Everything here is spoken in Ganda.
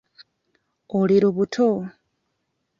Oli lubuto?